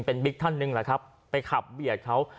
เป็นบิ๊กท่านหนึ่งแหละครับไปขับเบียดเขา